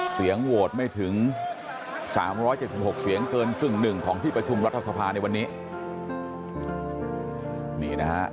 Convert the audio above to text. เสียงโหวตไม่ถึง๓๗๖เสียงเกินกึ่งหนึ่งของที่ประชุมรัฐสภาในวันนี้นี่นะฮะ